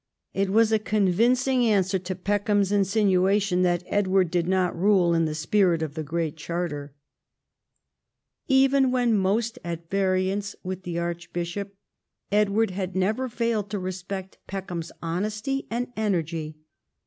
It was a convincing answer to Peckham's insinuation that Edward did not rule in the spirit of the Great Charter. Even when most at variance with the archbishop Edward had never failed to respect Peckham's honesty and energy.